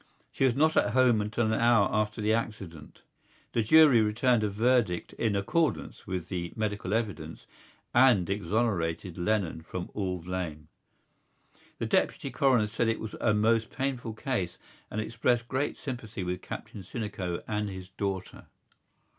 She was not at home until an hour after the accident. The jury returned a verdict in accordance with the medical evidence and exonerated Lennon from all blame. The Deputy Coroner said it was a most painful case, and expressed great sympathy with Captain Sinico and his daughter.